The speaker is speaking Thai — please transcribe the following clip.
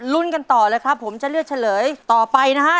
กันต่อเลยครับผมจะเลือกเฉลยต่อไปนะฮะ